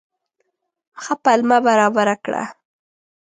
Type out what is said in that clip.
ښه پلمه برابره کړه.